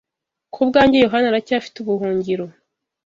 Kubwanjye yohana aracyafite ubuhungiro